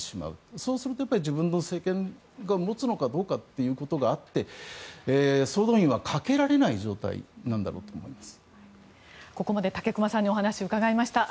そうすると、自分の政権が持つのかどうかということがあって総動員はかけられない状態なんだろうと思います。